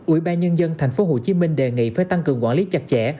ủy ban nhân dân tp hcm đề nghị phải tăng cường quản lý chặt chẽ